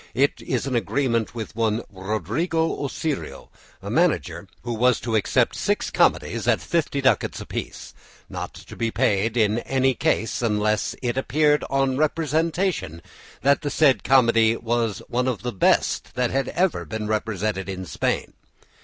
It is an agreement with one Rodrigo Osorio, a manager, who was to accept six comedies at fifty ducats (about 6l.) apiece, not to be paid in any case unless it appeared on representation that the said comedy was one of the best that had ever been represented in Spain.